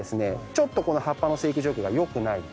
ちょっと葉っぱの生育状況がよくない。